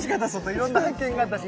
いろんな発見があったし。